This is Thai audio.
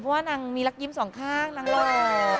เพราะว่านางมีรักยิ้มสองข้างนางหล่อ